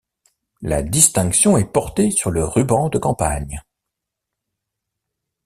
La distinction est portée sur le ruban de campagne.